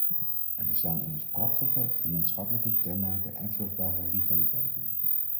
Er bestaan immers prachtige gemeenschappelijke kenmerken en vruchtbare rivaliteiten.